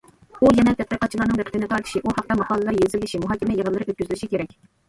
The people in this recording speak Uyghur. ئۇ يەنە تەتقىقاتچىلارنىڭ دىققىتىنى تارتىشى، ئۇ ھەقتە ماقالىلەر يېزىلىشى، مۇھاكىمە يىغىنلىرى ئۆتكۈزۈلۈشى كېرەك.